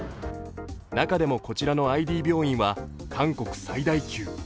中でもこちらのＩＤ病院は韓国最大級。